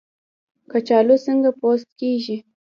کچالو څنګه پوست کیږي؟